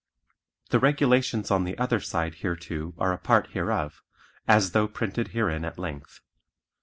The regulations on the other side hereto are a part hereof, as though printed herein at length.